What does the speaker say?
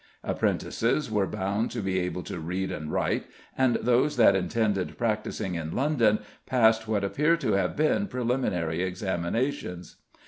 Apprentices were bound to be able to read and write, and those that intended practising in London passed what appear to have been preliminary examinations.